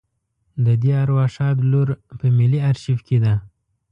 د دې ارواښاد لور په ملي آرشیف کې ده.